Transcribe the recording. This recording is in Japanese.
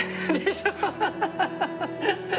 ハハハハッ。